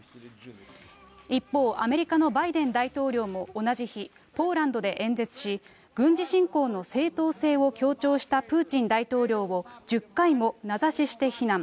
一方、アメリカのバイデン大統領も同じ日、ポーランドで演説し、軍事侵攻の正当性を強調したプーチン大統領を１０回も名指しして非難。